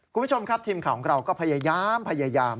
คุณผู้ชมครับทีมข่าวของเราก็พยายามพยายาม